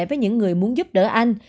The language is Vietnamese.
với những người muốn giúp đỡ anh